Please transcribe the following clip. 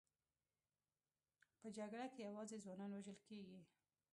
په جګړه کې یوازې ځوانان وژل کېږي